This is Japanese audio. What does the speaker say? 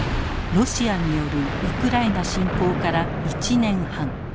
ロシアによるウクライナ侵攻から１年半。